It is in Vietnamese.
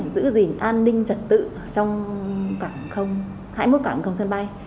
giữ gìn an ninh trật tự trong cảng không hãi mốt cảng không sân bay